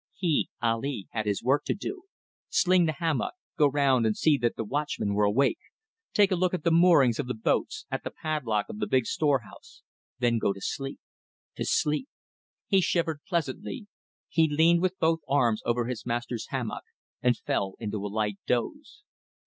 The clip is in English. He, Ali, had his work to do. Sling the hammock go round and see that the watchmen were awake take a look at the moorings of the boats, at the padlock of the big storehouse then go to sleep. To sleep! He shivered pleasantly. He leaned with both arms over his master's hammock and fell into a light doze.